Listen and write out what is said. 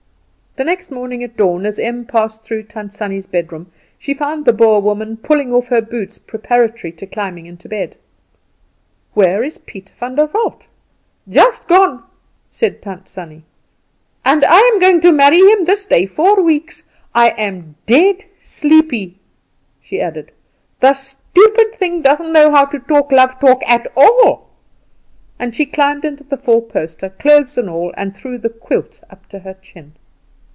The next morning at dawn, as Em passed through Tant Sannie's bedroom, she found the Boer woman pulling off her boots preparatory to climbing into bed. "Where is Piet Vander Walt?" "Just gone," said Tant Sannie; "and I am going to marry him this day four weeks. I am dead sleepy," she added; "the stupid thing doesn't know how to talk love talk at all," and she climbed into the four poster, clothes and all, and drew the quilt up to her chin.